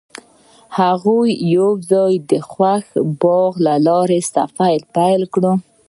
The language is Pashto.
هغوی یوځای د خوښ باغ له لارې سفر پیل کړ.